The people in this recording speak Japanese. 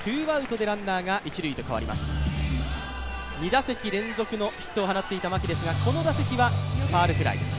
２打席連続のヒットを放っていた牧ですがこの打席はファウルフライ。